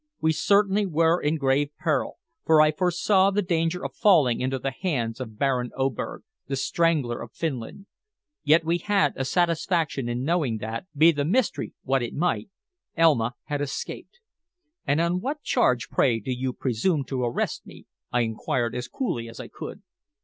We certainly were in grave peril, for I foresaw the danger of falling into the hands of Baron Oberg, the Strangler of Finland. Yet we had a satisfaction in knowing that, be the mystery what it might, Elma had escaped. "And on what charge, pray, do you presume to arrest me?" I inquired as coolly as I could.